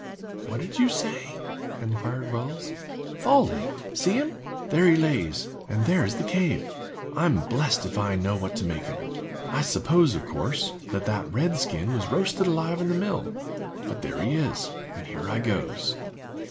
"What do you say?" inquired Wells. "Fall leaf—see him—there he lays, and there is the cave. I'm blest if I know what to make of it. I supposed, of course, that that red skin was roasted alive in the mill; but there he is, and here I goes."